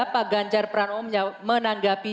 pak ganjar pranom menanggapi